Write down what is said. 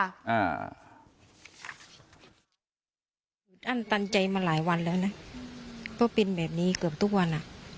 อั้นตันใจมาหลายวันแล้วนะเพราะเป็นแบบนี้เกือบทุกวันอ่ะ